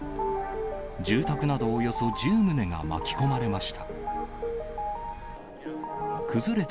住宅などおよそ１０棟が巻き込まれました。